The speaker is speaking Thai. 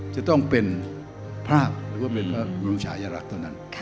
จะต้องเป็นภาพหรือว่าเป็นพระบรมชายลักษณ์เท่านั้น